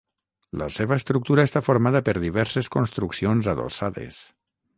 La seva estructura està formada per diverses construccions adossades.